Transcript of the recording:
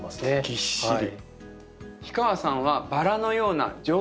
ぎっしり。